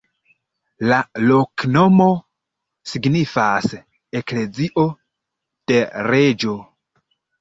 La loknomo signifas: eklezio de reĝo.